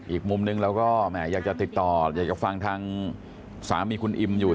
อีกมุมหนึ่งเราก็แหมอยากจะติดต่ออยากจะฟังทางสามีคุณอิมอยู่